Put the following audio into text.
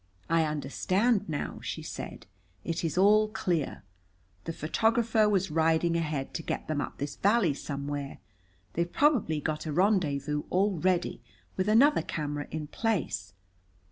"I understand now," she said. "It is all clear. The photographer was riding ahead to get them up this valley somewhere. They've probably got a rendezvous all ready, with another camera in place.